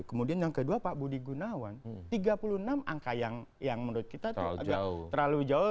kemudian yang kedua pak budi gunawan tiga puluh enam angka yang menurut kita agak terlalu jauh